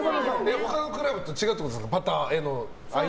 他のクラブと違うってことですか。